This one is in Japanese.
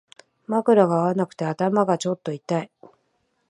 枕が合わなくて頭がちょっと痛い